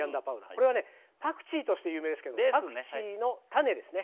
これはねパクチーとして有名ですけどパクチーの種ですね。